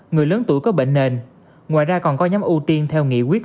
người lớn tuổi có bệnh nền ngoài ra còn có nhóm ưu tiên theo nghị quyết hai mươi một